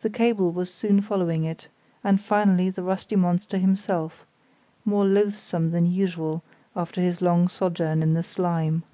The cable was soon following it, and finally the rusty monster himself, more loathsome than usual, after his long sojourn in the slime.